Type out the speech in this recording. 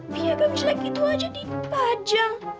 biarkan jelek gitu aja dipajang